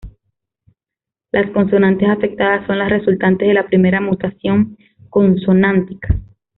Las consonantes afectadas son las resultantes de la primera mutación consonántica.